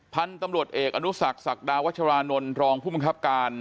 พันธุ์ตำรวจเอกอนุสักศักดาวัชรานนท์รองผู้บังคับการ